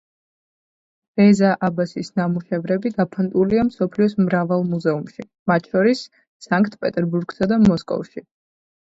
რეზა აბასის ნამუშევრები გაფანტულია მსოფლიოს მრავალ მუზეუმში, მათ შორის სანქტ-პეტერბურგსა და მოსკოვში.